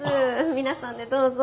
皆さんでどうぞ。